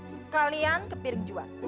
sekalian ke piring jua